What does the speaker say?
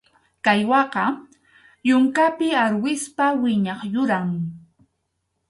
Caiguaqa yunkapi arwispa wiñaq yuram.